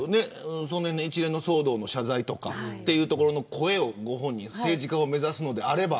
一連の騒動の謝罪とかそういう声をご本人政治家を目指すのであれば。